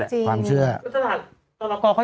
ถูกต้องถูกต้องถูกต้อง